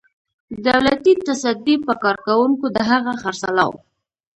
د دولتي تصدۍ په کارکوونکو د هغه خرڅلاو.